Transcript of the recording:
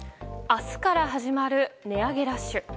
明日から始まる値上げラッシュ。